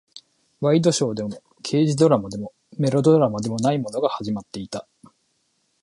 ワイドショーでも、刑事ドラマでも、メロドラマでもないものが始まっていた。